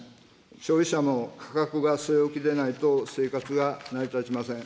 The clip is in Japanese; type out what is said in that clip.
消費者も価格が据え置きでないと生活が成り立ちません。